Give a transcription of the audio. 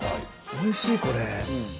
おいしいこれ。